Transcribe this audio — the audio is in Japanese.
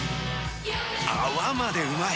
泡までうまい！